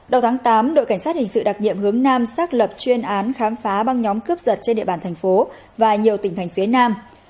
đầu tháng tám đội cảnh sát hình sự đặc nhiệm hướng nam xác lập chuyên án khám phá băng nhóm cướp giật trên địa bàn thành phố và nhiều tỉnh thành phía nam